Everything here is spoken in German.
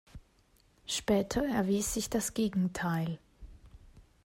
Später erwies sich das Gegenteil.